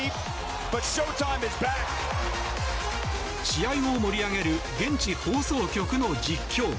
試合を盛り上げる現地放送局の実況。